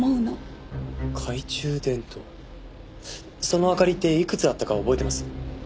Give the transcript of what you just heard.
その明かりっていくつあったか覚えてます？